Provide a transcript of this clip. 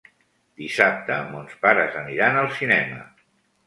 Dissabte mons pares aniran al cinema.